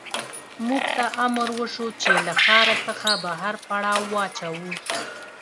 موږ ته امر وشو چې له ښار څخه بهر پړاو واچوو